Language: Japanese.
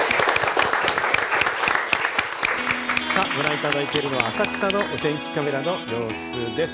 ご覧いただいているのは浅草のお天気カメラの様子です。